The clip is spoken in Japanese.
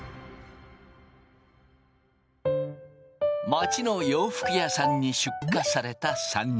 街の洋服屋さんに出荷された３人。